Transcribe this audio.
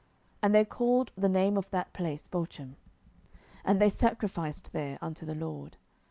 07:002:005 And they called the name of that place Bochim: and they sacrificed there unto the LORD.